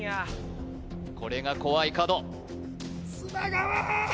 これが怖い角砂川！